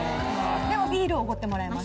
でもビールおごってもらえます。